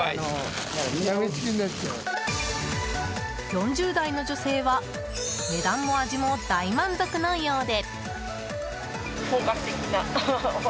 ４０代の女性は値段も味も大満足のようで。